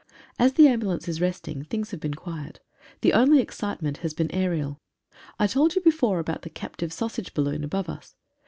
As the ambulance is resting things have been quiet. The only excitement has been aerial. I told you before about the captive sausage balloon above us.